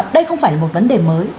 đây không phải là một vấn đề mới